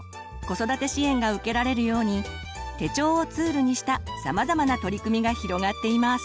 子育て支援が受けられるように手帳をツールにしたさまざまな取り組みが広がっています。